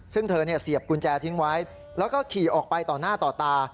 ซึ่งเธอเสียบกุญแจทิ้งไว้แล้วก็ขี่ออกไปต่อหน้าต่อตา